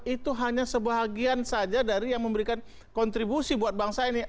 itu hanya sebahagian saja dari yang memberikan kontribusi buat bangsa ini